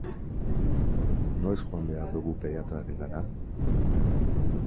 Noiz joan behar dugu pediatrarengana?